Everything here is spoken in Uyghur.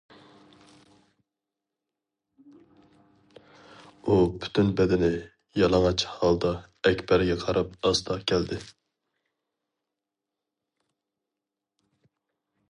ئۇ پۈتۈن بەدىنى يالىڭاچ ھالدا ئەكبەرگە قاراپ ئاستا كەلدى.